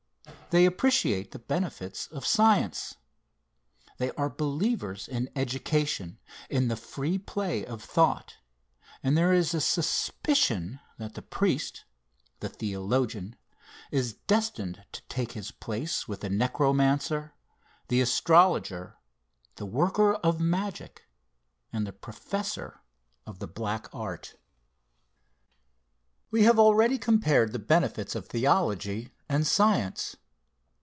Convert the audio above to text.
They appreciate the benefits of science. They are believers in education, in the free play of thought, and there is a suspicion that the priest, the theologian, is destined to take his place with the necromancer, the astrologer, the worker of magic, and the professor of the black art. We have already compared the benefits of theology and science.